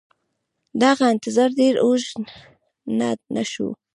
دغه انتظار ډېر اوږد نه شو.